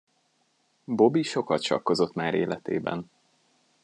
Bobby sokat sakkozott már életében.